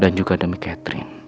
dan juga demi catherine